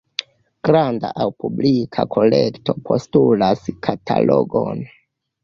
Granda aŭ publika kolekto postulas katalogon.